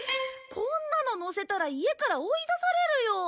こんなの載せたら家から追い出されるよ。